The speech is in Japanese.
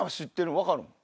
分かるん？